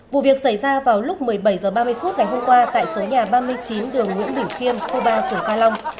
vụ việc xảy ra vào lúc một mươi bảy h ba mươi phút ngày hôm qua tại số nhà ba mươi chín đường nguyễn bỉnh khiêm khu ba phường ca long